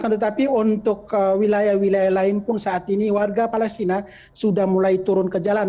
tetapi untuk wilayah wilayah lain pun saat ini warga palestina sudah mulai turun ke jalan